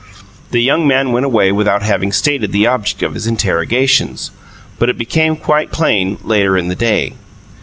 The young man went away without having stated the object of his interrogations, but it became quite plain, later in the day.